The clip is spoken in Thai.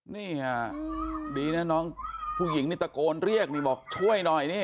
นี่ค่ะดีนะน้องผู้หญิงนี่ตะโกนเรียกนี่บอกช่วยหน่อยนี่